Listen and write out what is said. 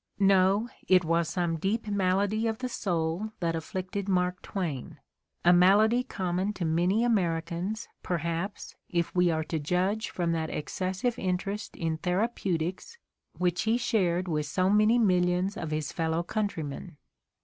No, it was some deep malady of the soul that afflicted Mark Twain, a malady common to many Americans, per haps, if we are to judge from that excessive interest in I therapeutics which he shared with so many millions of [his fellow countrymen.